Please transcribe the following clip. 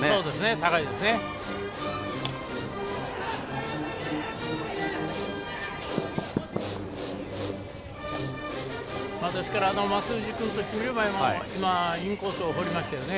ですから松藤君としてもインコースを放りましたね。